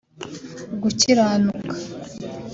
gukiranuka